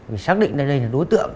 mình xác định đây là đối tượng